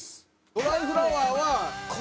『ドライフラワー』はねっ？